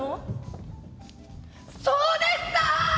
そうでした！